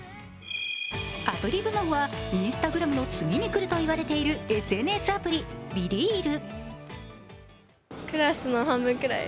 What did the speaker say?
アプリ部門は、Ｉｎｓｔａｇｒａｍの次に来ると言われているＳＮＳアプリ、ＢｅＲｅａｌ。